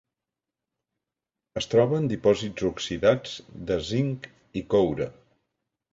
Es troba en dipòsits oxidats de zinc i coure.